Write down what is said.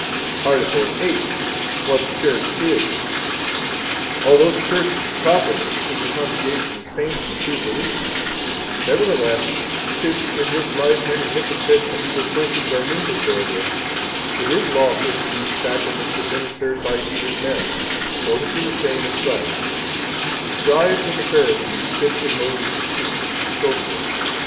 Article VIII. What the Church Is. 1 Although the Church properly is the congregation of saints and true believers, nevertheless, since in this life many hypocrites and evil persons are mingled therewith, it is lawful to use Sacraments administered by evil men, according to the saying of Christ: The Scribes and 2 the Pharisees sit in Moses' seat, etc.